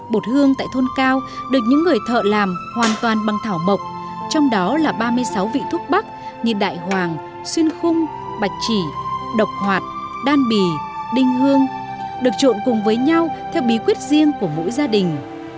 bột hương tại thôn cao được những người thợ làm hoàn toàn bằng thảo mộc trong đó là ba mươi sáu vị thuốc bắc như đại hoàng xuyên khung bạch chỉ độc hoạt đan bì đinh hương được trộn cùng với nhau theo bí quyết riêng của mỗi gia đình